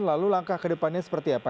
lalu langkah kedepannya seperti apa